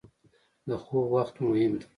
• د خوب وخت مهم دی.